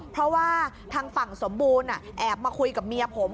เพราะว่าทางฝั่งสมบูรณ์แอบมาคุยกับเมียผม